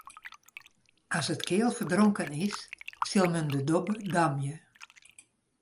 As it keal ferdronken is, sil men de dobbe damje.